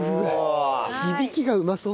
響きがうまそうだな。